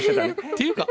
っていうか